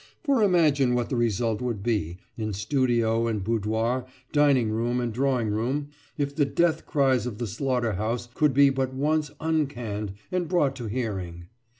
For imagine what the result would be, in studio and boudoir, dining room and drawing room, if the death cries of the slaughter house could be but once uncanned and brought to hearing.